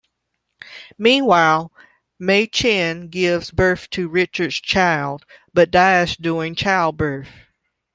Meanwhile, Mai Chen gives birth to Richard's child, but dies during childbirth.